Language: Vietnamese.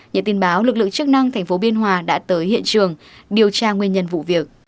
nhà tin báo lực lượng chức năng thành phố biên hòa đã tới hiện trường điều tra nguyên nhân vụ việc